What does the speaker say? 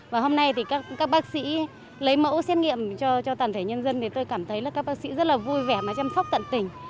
và hôm nay thì các bác sĩ lấy mẫu xét nghiệm cho toàn thể nhân dân thì tôi cảm thấy là các bác sĩ rất là vui vẻ mà chăm sóc tận tình